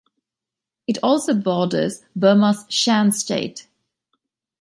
It also borders Burma's Shan State.